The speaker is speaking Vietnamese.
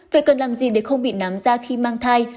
vậy cần làm gì để không bị nám ra khi mang thai